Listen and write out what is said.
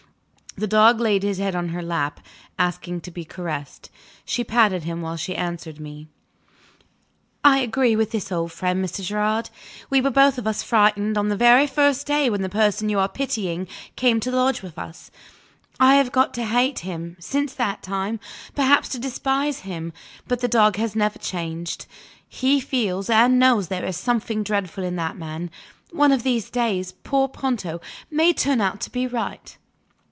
The dog laid his head on her lap, asking to be caressed. She patted him while she answered me. "I agree with this old friend, Mr. Gerard. We were both of us frightened, on the very first day, when the person you are pitying came to lodge with us. I have got to hate him, since that time perhaps to despise him. But the dog has never changed; he feels and knows there is something dreadful in that man. One of these days, poor Ponto may turn out to be right.